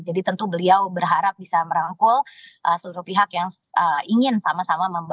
tentu beliau berharap bisa merangkul seluruh pihak yang ingin sama sama membangun